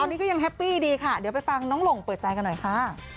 ตอนนี้ก็ยังแฮปปี้ดีค่ะเดี๋ยวไปฟังน้องหลงเปิดใจกันหน่อยค่ะ